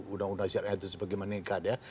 undang undang syarikat itu seperti meningkat ya